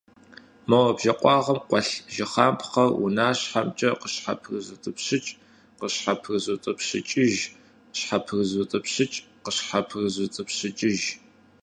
Мо бжэ къуагъым къуэлъ жыхапхъэр унащхьэмкӀэ щхьэпрызутӀыпщыкӀ, къыщхьэпрызутӀыпщыкӀыж, щхьэпрызутӀыпщыкӀ, къыщхьэпрызутӀыпщыкӀыж.